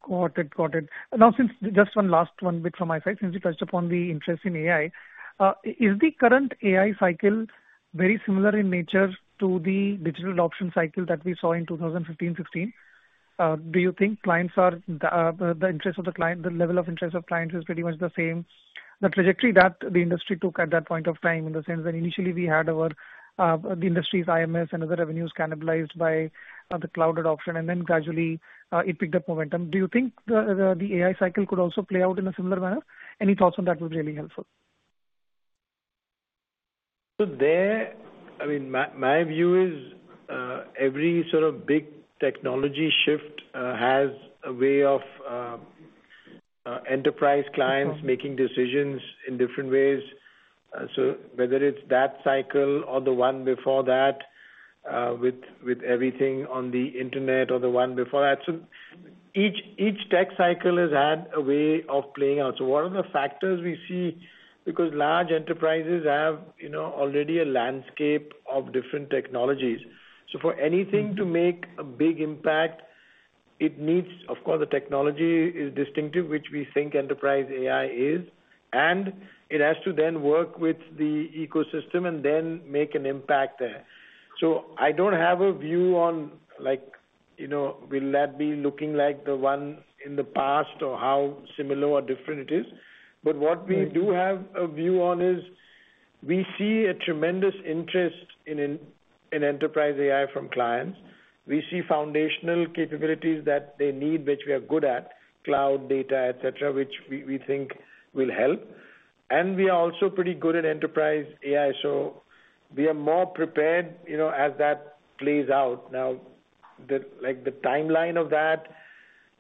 Got it, got it. Now, just one last bit from my side, since you touched upon the interest in AI. Is the current AI cycle very similar in nature to the digital adoption cycle that we saw in 2015-2016? Do you think clients are. The interest of the client, the level of interest of clients is pretty much the same, the trajectory that the industry took at that point of time in the sense that initially we had our industry's IMS and other revenues cannibalized by the cloud adoption, and then gradually it picked up momentum. Do you think the AI cycle could also play out in a similar manner? Any thoughts on that would be really helpful. There, I mean, my view is every sort of big technology shift has a way of enterprise clients making decisions in different ways. Whether it's that cycle or the one before that, with everything on the internet, or the one before that, each tech cycle has had a way of playing out. What are the factors we see? Large enterprises already have a landscape of different technologies. For anything to make a big impact, it needs, of course, the technology to be distinctive, which we think enterprise AI is. It has to then work with the ecosystem and make an impact there. I don't have a view on whether that will look like the one in the past or how similar or different it is. What we do have a view on is we see a tremendous interest in enterprise AI from clients. We see foundational capabilities that they need, which we are good at cloud, data, et cetera. which we think will help. We are also pretty good at enterprise AI, so we are more prepared as that plays out. Now, the timeline of that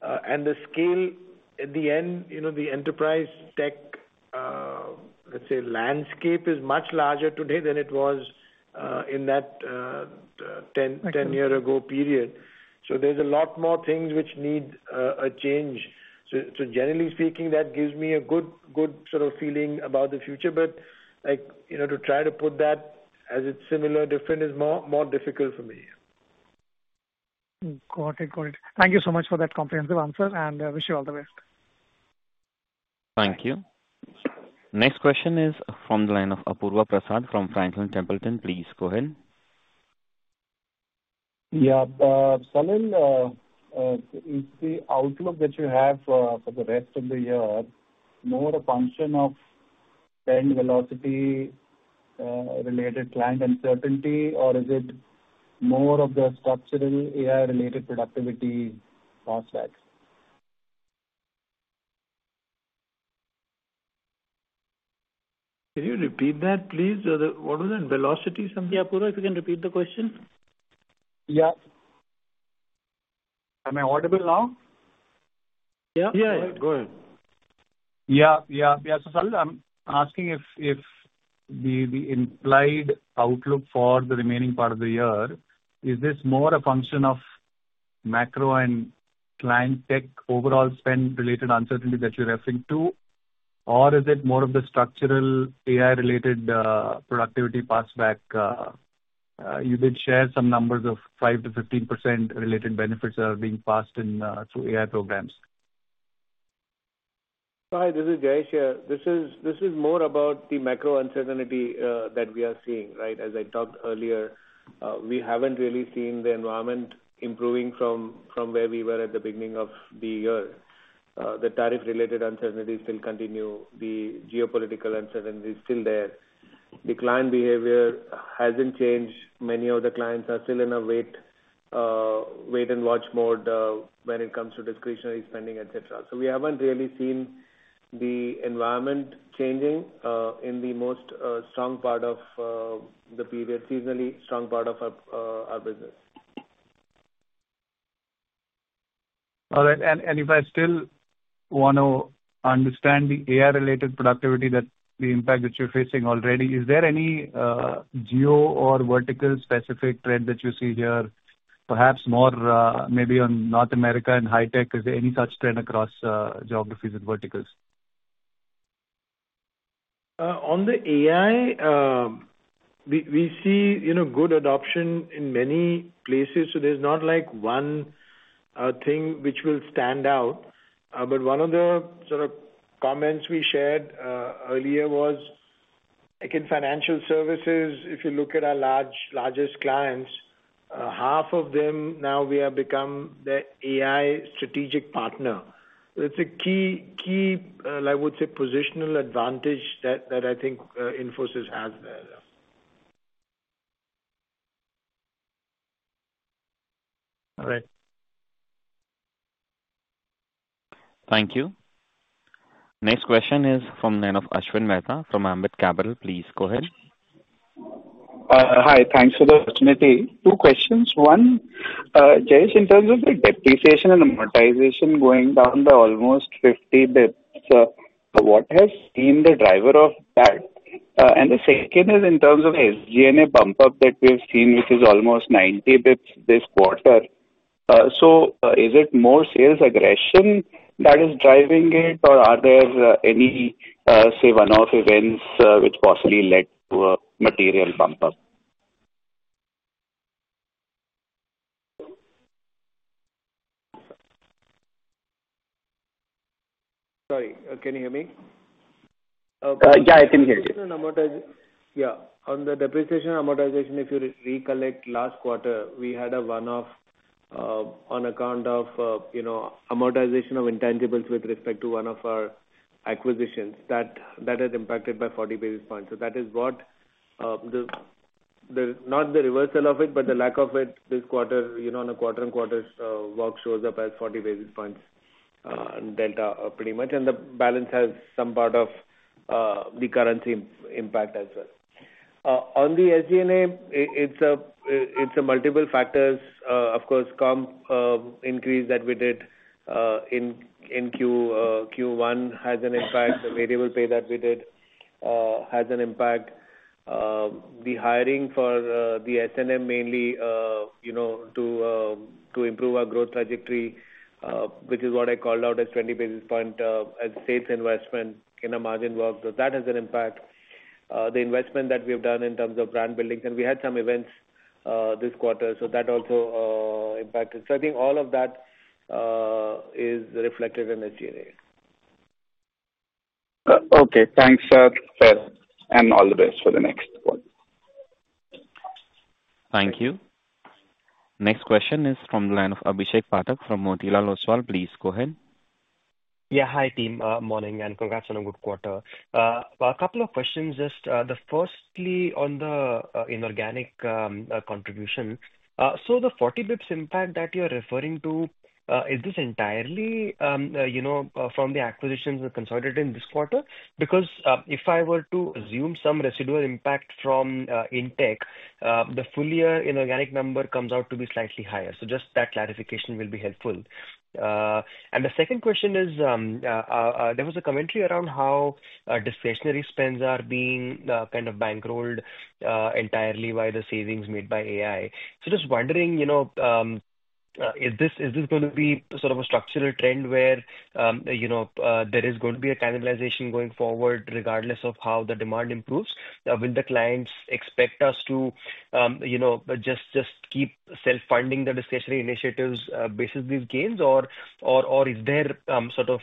and the scale at the end, the enterprise tech landscape is much larger today than it was in that 10-year-ago period. There are a lot more things which need a change. Generally speaking, that gives me a good sort of feeling about the future. To try to put that as it's similar or different is more difficult for me. Got it, got it. Thank you so much for that comprehensive answer, and I wish you all the best. Thank you. Next question is from the line of Apurva Prasad from Franklin Templeton. Please go ahead. Yeah, Salil. Is the outlook that you have for the rest of the year more a function of spend velocity, related client uncertainty, or is it more of the structural AI-related productivity prospects? Can you repeat that, please? What was it? Velocity something? Yeah, Apurva, if you can repeat the question. Yeah. Am I audible now? Yeah, yeah. Go ahead. Yeah, yeah. So Salil, I'm asking if the implied outlook for the remaining part of the year, is this more a function of macro and client tech overall spend-related uncertainty that you're referring to, or is it more of the structural AI-related productivity prospect? You did share some numbers of 5-15% related benefits that are being passed through AI programs. Hi, this is Jayesh here. This is more about the macro uncertainty that we are seeing, right? As I talked earlier, we haven't really seen the environment improving from where we were at the beginning of the year. The tariff-related uncertainty still continues. The geopolitical uncertainty is still there. The client behavior hasn't changed. Many of the clients are still in a wait and watch mode when it comes to discretionary spending, et cetera. We haven't really seen the environment changing in the most strong part of the period, seasonally strong part of our business. All right. If I still want to understand the AI-related productivity, the impact that you're facing already, is there any geo or vertical-specific trend that you see here, perhaps more maybe on North America and high tech? Is there any such trend across geographies and verticals? On the AI, we see good adoption in many places. There is not like one thing which will stand out. One of the sort of comments we shared earlier was, again, financial services, if you look at our largest clients, half of them now we have become their AI strategic partner. It is a key, I would say, positional advantage that I think Infosys has there. All right. Thank you. Next question is from Nandan of Ashwin Mehta from Ambit Capital. Please go ahead. Hi, thanks for the opportunity. Two questions. One, Jayesh, in terms of the depreciation and amortization going down to almost 50 basis points, what has been the driver of that? The second is in terms of the SG&A bump-up that we have seen, which is almost 90 basis points this quarter. Is it more sales aggression that is driving it, or are there any, say, one-off events which possibly led to a material bump-up? Sorry, can you hear me? Yeah, I can hear you. Yeah. On the depreciation and amortization, if you recollect last quarter, we had a one-off on account of amortization of intangibles with respect to one of our acquisitions that has impacted by 40 basis points. That is what, not the reversal of it, but the lack of it this quarter, on a quarter-and-quarters walk, shows up as 40 basis points delta pretty much. The balance has some part of the currency impact as well. On the SG&A, it is multiple factors. Of course, comp increase that we did in Q1 has an impact. The variable pay that we did has an impact. The hiring for the S&M mainly to improve our growth trajectory, which is what I called out as 20 basis points as a safe investment in a margin walk, so that has an impact. The investment that we have done in terms of brand building, and we had some events this quarter, so that also impacted. I think all of that is reflected in SG&A. Okay, thanks, sir. All the best for the next one. Thank you. Next question is from the line of Abhishek Pathak from Motilal Oswal. Please go ahead. Yeah, hi, team. Morning and congrats on a good quarter. A couple of questions, just the firstly on the inorganic contribution. The 40 basis points impact that you're referring to, is this entirely from the acquisitions and consolidated in this quarter? Because if I were to assume some residual impact from intake, the full year inorganic number comes out to be slightly higher. Just that clarification will be helpful. The 2nd question is, there was a commentary around how discretionary spends are being kind of bankrolled entirely by the savings made by AI. Just wondering, is this going to be sort of a structural trend where there is going to be a cannibalization going forward regardless of how the demand improves? Will the clients expect us to just keep self-funding the discretionary initiatives based on these gains, or is there sort of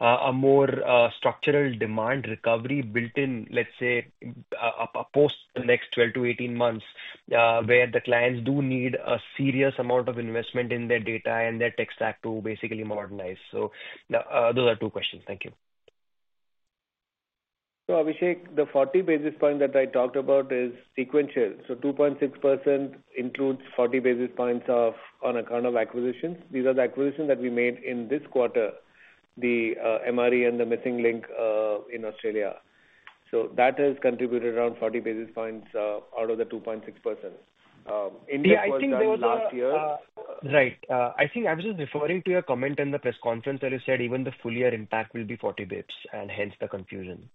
a more structural demand recovery built in, let's say, post the next 12-18 months where the clients do need a serious amount of investment in their data and their tech stack to basically modernize? Those are two questions. Thank you. Abhishek, the 40 basis points that I talked about is sequential. 2.6% includes 40 basis points on account of acquisitions. These are the acquisitions that we made in this quarter, the MRE and The Missing Link in Australia. That has contributed around 40 basis points out of the 2.6%. India, I think there was a last year. Right. I think I was just referring to your comment in the press conference where you said even the full year impact will be 40 basis points and hence the confusion.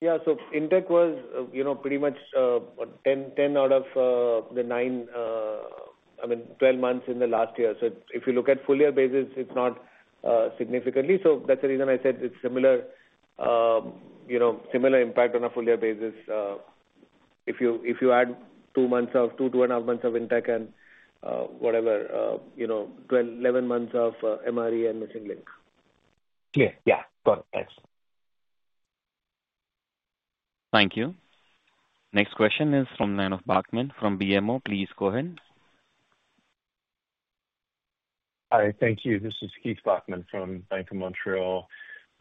Yeah, so intake was pretty much 10 out of the 9. I mean, 12 months in the last year. If you look at full year basis, it's not significantly. That's the reason I said it's similar. Impact on a full year basis. If you add two months of two, two and a half months of intake and whatever, 11 months of MRE and Missing Link. Clear. Yeah. Got it. Thanks. Thank you. Next question is from Keith Bachman from BMO. Please go ahead. Hi, thank you. This is Keith Bachman from Bank of Montreal.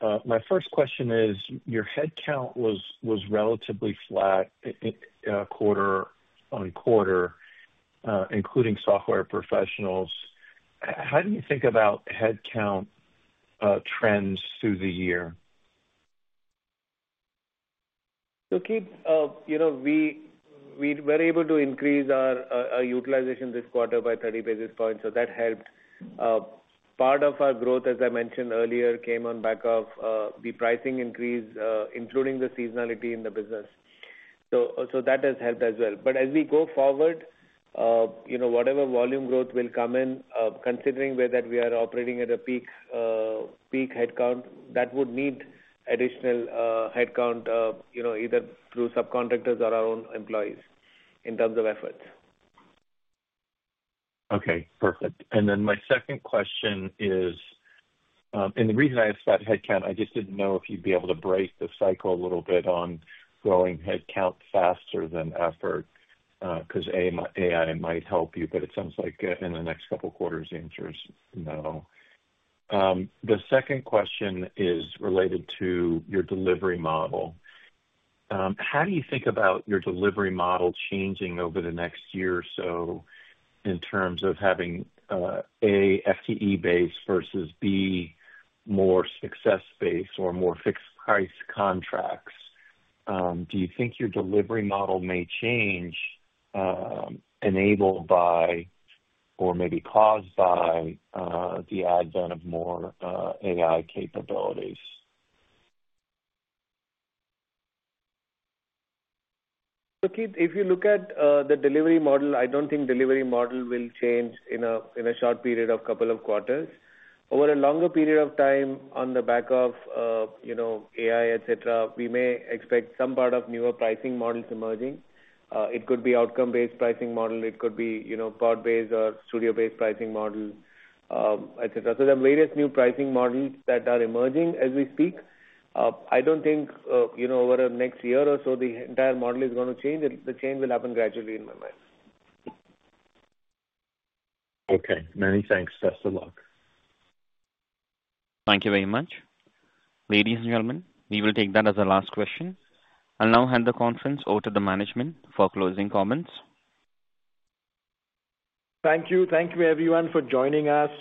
My first question is your headcount was relatively flat quarter-on-quarter, including software professionals. How do you think about headcount trends through the year? Keith, we were able to increase our utilization this quarter by 30 basis points. That helped. Part of our growth, as I mentioned earlier, came on back of the pricing increase, including the seasonality in the business. That has helped as well. As we go forward, whatever volume growth will come in, considering that we are operating at a peak headcount, that would need additional headcount either through subcontractors or our own employees in terms of efforts. Okay, perfect. My 2nd question is, and the reason I asked about headcount, I just did not know if you would be able to break the cycle a little bit on growing headcount faster than effort because AI might help you, but it sounds like in the next couple of quarters, the answer is no. The second question is related to your delivery model. How do you think about your delivery model changing over the next year or so in terms of having, A, FTE-based versus, B, more success-based or more fixed-price contracts? Do you think your delivery model may change, enabled by or maybe caused by the advent of more AI capabilities? If you look at the delivery model, I do not think the delivery model will change in a short period of a couple of quarters. Over a longer period of time, on the back of AI, et cetera., we may expect some part of newer pricing models emerging. It could be outcome-based pricing model. It could be part-based or studio-based pricing model, etc. There are various new pricing models that are emerging as we speak. I do not think over the next year or so the entire model is going to change. The change will happen gradually in my mind. Okay. Many thanks. Best of luck. Thank you very much. Ladies and gentlemen, we will take that as a last question. I'll now hand the conference over to the management for closing comments. Thank you. Thank you, everyone, for joining us.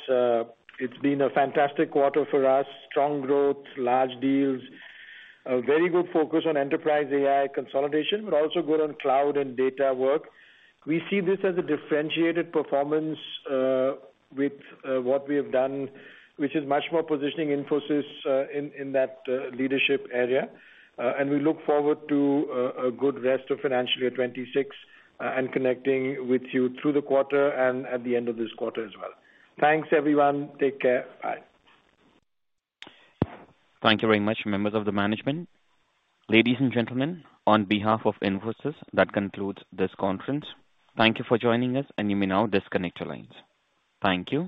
It's been a fantastic quarter for us. Strong growth, large deals. A very good focus on enterprise AI consolidation, but also good on cloud and data work. We see this as a differentiated performance. With what we have done, which is much more positioning Infosys in that leadership area. We look forward to a good rest of financial year 2026 and connecting with you through the quarter and at the end of this quarter as well. Thanks, everyone. Take care. Bye. Thank you very much, members of the management. Ladies and gentlemen, on behalf of Infosys, that concludes this conference. Thank you for joining us, and you may now disconnect your lines. Thank you.